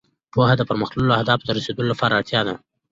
پوهه د پرمختللو اهدافو ته رسېدو لپاره اړتیا ده.